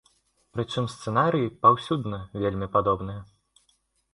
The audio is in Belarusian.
Прычым сцэнарыі паўсюдна вельмі падобныя.